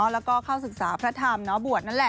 แล้วก็เข้าศึกษาพระธรรมบวชนั่นแหละ